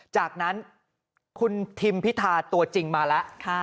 จากนั้นคุณทิมพิธาตัวจริงมาแล้ว